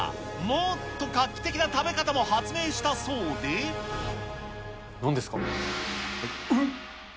もっと画期的な食べ方も発明したなんですか。